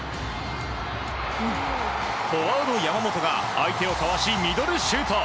フォワード、山本が相手をかわしミドルシュート！